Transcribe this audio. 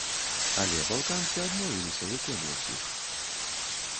Але балканцы адмовіліся выконваць іх.